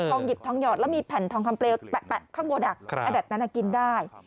หยิบทองหอดแล้วมีแผ่นทองคำเปลวแปะข้างบนอันดับนั้นกินได้